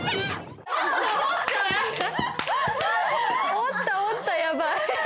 おったおったヤバい。